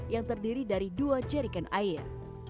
yang terdiri dari dua jerikan air